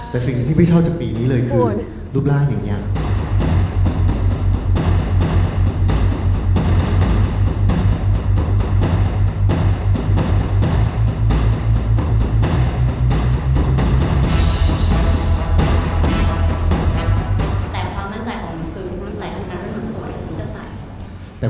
แต่สิ่งที่ไม่ชอบจากปีนี้เลยคือรูปร่างอย่างนี้